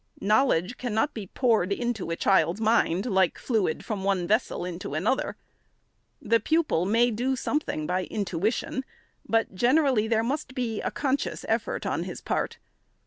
Knowledge cannot be poured into a child's mind like fluid from one vessel into another. The pupil may do something by intuition, but generally there must be a conscious effort on his part.